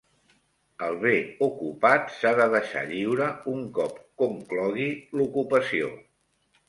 El bé ocupat s'ha de deixar lliure un cop conclogui l'ocupació.